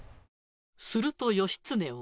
すると義経は。